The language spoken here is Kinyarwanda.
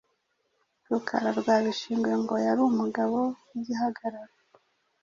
Rukara rwa Bishingwe ngo yari umugabo w’igihagararo